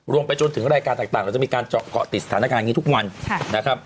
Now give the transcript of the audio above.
รวมไปจนถึงรายการต่างเราจะมีการเกาะติดฐานการณ์อย่างนี้ทุกวัน